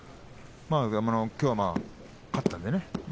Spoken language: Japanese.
きょうは勝ったんでね